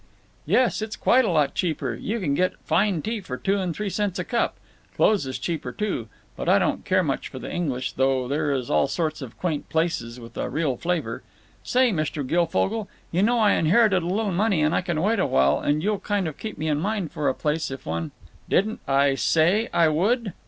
"Yes, it's quite a little cheaper. You can get fine tea for two and three cents a cup. Clothes is cheaper, too. But I don't care much for the English, though there is all sorts of quaint places with a real flavor…. Say, Mr. Guilfogle, you know I inherited a little money, and I can wait awhile, and you'll kind of keep me in mind for a place if one—" "Didn't I say I would?"